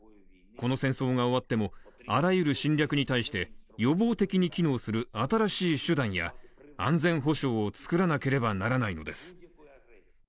この戦争が終わっても、あらゆる侵略に対して予防的に機能する新しい手段や安全保障を作らなければならないのです。